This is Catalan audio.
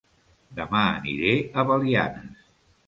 Dema aniré a Belianes